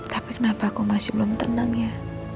tapi kenapa kau masih belum tenang ya